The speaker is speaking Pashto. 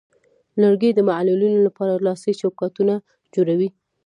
لرګی د معلولینو لپاره لاسي چوکاټونه جوړوي.